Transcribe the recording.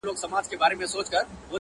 سمت او رنګ ژبه نژاد یې ازلي راکړي نه دي,